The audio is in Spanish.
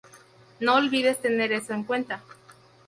No olvides tener eso en cuenta.